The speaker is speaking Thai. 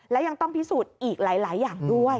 และยังต้องพิสูจน์อีกหลายอย่างด้วย